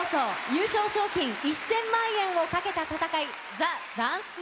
優勝賞金１０００万円をかけた闘い、ＴＨＥＤＡＮＣＥＤＡＹ。